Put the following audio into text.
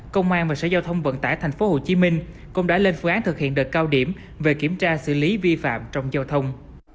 công an và sở giao thông vận tải tp hcm cũng đã lên phương án thực hiện đợt cao điểm về kiểm tra xử lý vi phạm trong giao thông